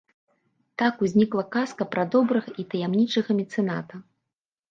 Так узнікла казка пра добрага і таямнічага мецэната.